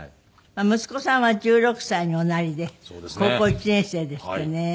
息子さんは１６歳におなりで高校１年生ですってね。